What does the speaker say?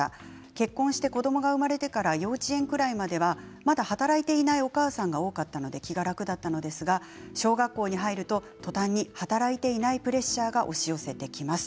結婚して子どもが生まれてから幼稚園ぐらいまでは働いていないお母さんが多かったので気が楽だったんですが小学校に入るととたんに働いていないプレッシャーが押し寄せててくれます。